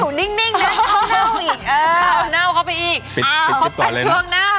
เขาเน่าเข้าไปอีกเขาไปช่วงหน้าค่ะ